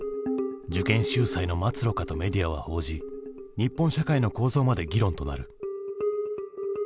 「受験秀才の末路か？」とメディアは報じ日本社会の構造まで議論となる。